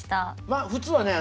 まあ普通はね